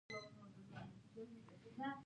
کور د ژوند ملګری دی.